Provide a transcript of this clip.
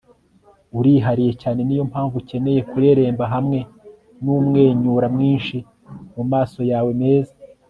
urihariye cyane niyo mpamvu ukeneye kureremba hamwe numwenyura mwinshi mumaso yawe meza.